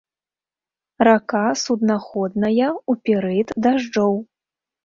Рака суднаходная ў перыяд дажджоў.